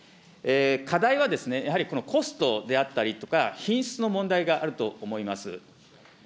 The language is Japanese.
課題はやはりこのコストであったりとか、品質の問題があると思います。